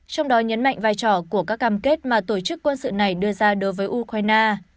trong đó nhấn mạnh vai trò của các cam kết mà tổ chức quân sự này đưa ra đối với ukraine